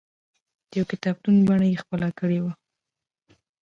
د یوه کتابتون بڼه یې خپله کړې وه.